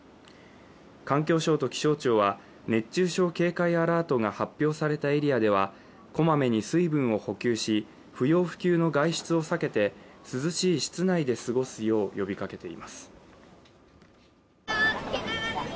環境省と気象庁は、熱中症警戒アラートが発表されたエリアではこまめに水分を補給し不要不急の外出を避けて涼しい室内で過ごすよう呼びかけています。